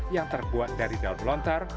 yang terbuat dari daun lontar